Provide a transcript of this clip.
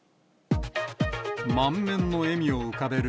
満面の笑みを浮かべる